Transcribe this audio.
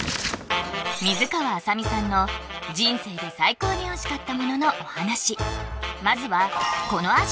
水川あさみさんの人生で最高においしかったもののお話